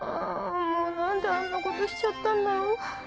あもう何であんなことしちゃったんだろう。